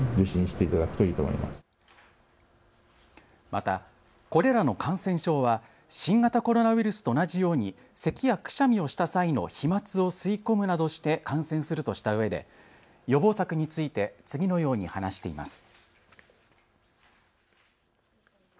またこれらの感染症は新型コロナウイルスと同じようにせきやくしゃみをした際の飛まつを吸い込むなどして感染するとしたうえで予防策について次のように話しています。